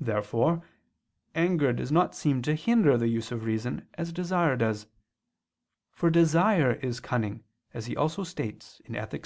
Therefore anger does not seem to hinder the use of reason, as desire does; for desire is cunning, as he also states (Ethic.